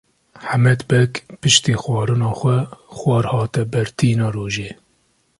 Hemed Beg piştî xwarina xwe xwar hate ber tîna rojê.